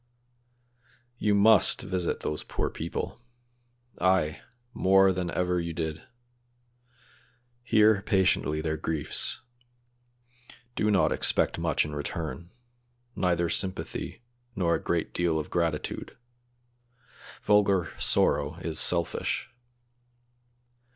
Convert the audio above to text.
"You must visit those poor people; ay, more than ever you did; hear patiently their griefs; do not expect much in return, neither sympathy nor a great deal of gratitude; vulgar sorrow is selfish.